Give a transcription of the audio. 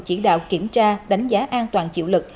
chỉ đạo kiểm tra đánh giá an toàn chịu lực